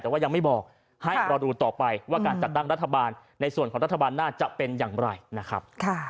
แต่ว่ายังไม่บอกให้รอดูต่อไปว่าการจัดตั้งรัฐบาลในส่วนของรัฐบาลหน้าจะเป็นอย่างไรนะครับ